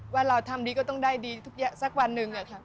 ว่าเราทำดีก็ต้องได้ดีสักวันหนึ่ง